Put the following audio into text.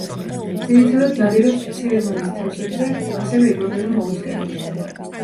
ძირითადად ნადირობს მცირე ზომის თევზებზე, ასევე იკვებება მოლუსკებით.